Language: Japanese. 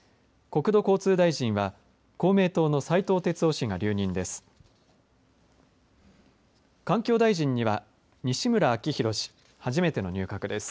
国土交通大臣には公明党の斉藤鉄夫氏が留任です。